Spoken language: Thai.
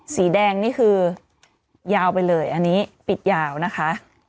สีแดงนี่คือยาวไปเลยอันนี้ปิดยาวนะคะ